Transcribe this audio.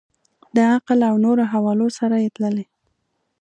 د عقل او نورو حوالو سره یې تللي.